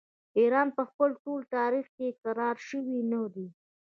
ایران په خپل ټول تاریخ کې کرار شوی نه دی.